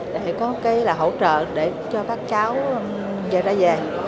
để có hỗ trợ để cho các cháu về ra về